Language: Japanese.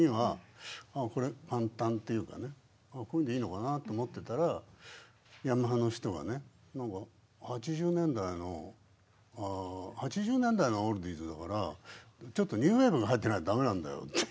こういうんでいいのかなって思ってたらヤマハの人がね８０年代の８０年代のオールディーズだからちょっとニュー・ウェイヴが入ってないと駄目なんだよって。